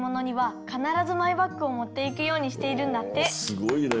すごいね。